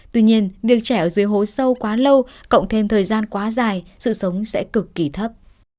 tuy nhiên việc trẻ ở dưới hố sâu quá lâu cộng thêm thời gian quá dài sự sống sẽ cực kỳ thấp